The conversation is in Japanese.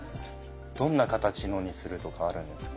どんな形のにするとかあるんですか？